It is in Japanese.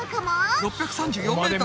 ６３４ｍ！